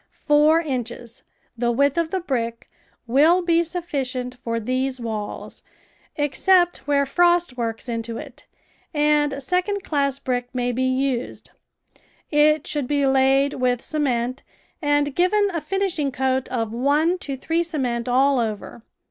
Four inches — the width of the brick — will be sufficient for these walls, except where frost works into it, and second class brick may be used; it should be laid with cement and given a finishing coat of one to three cement all over.